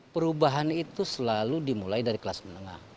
perubahan itu selalu dimulai dari kelas menengah